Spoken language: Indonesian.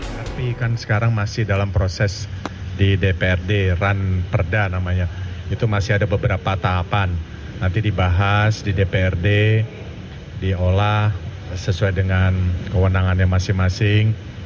tapi kan sekarang masih dalam proses di dprd ran perda namanya itu masih ada beberapa tahapan nanti dibahas di dprd diolah sesuai dengan kewenangannya masing masing